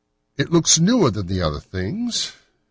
"It looks newer than the other things?"